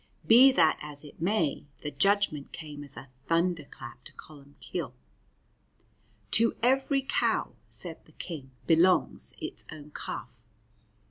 Be that as it may, the judgment came as a thunderclap to Columbcille. "To every cow," said the King, "belongs its own calf."